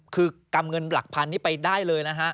คือกำเงินหลักพันนี่ไปได้เลยนะฮะ